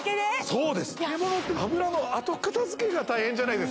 そうです揚げ物って油の後片づけが大変じゃないですか